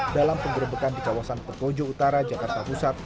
dalam penggerbekan di kawasan pekojo utara jakarta pusat